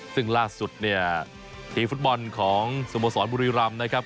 ซึ่งล่าสุดเนี่ยทีมฟุตบอลของสโมสรบุรีรำนะครับ